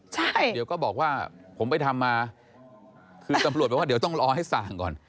เดี๋ยวก็บอกว่าผมไปทำมาคือตำรวจบอกว่าเดี๋ยวต้องรอให้สั่งก่อน